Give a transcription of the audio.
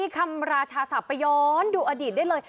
คำราชาศัพท์ไปย้อนดูอดีตได้เลย